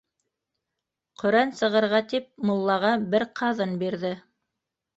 Ҡөрьән сығырға тип муллаға бер ҡаҙын бирҙе.